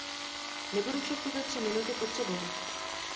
Nebudu však tyto tři minuty potřebovat.